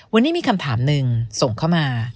วันนี้มีคำถามหนึ่งส่งเข้ามา